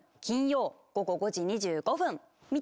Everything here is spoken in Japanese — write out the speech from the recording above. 金曜午後５時２５分！